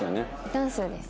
ダンスです。